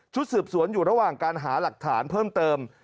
สืบสวนอยู่ระหว่างการหาหลักฐานเพิ่มเติม